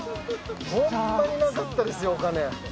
ホンマになかったですよお金。